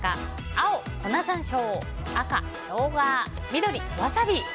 青、粉山椒赤、ショウガ緑、ワサビ。